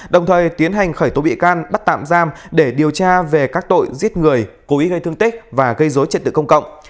đồng thời tiến hành khởi tố bị can bắt tạm giam để điều tra về các tội giết người cố ý gây thương tích và gây dối trật tự công cộng